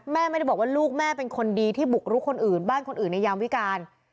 แม่ไม่ได้บอกว่าลูกแม่เป็นคนดีที่บุกรุกคนอื่นบ้านคนอื่นในยามวิการ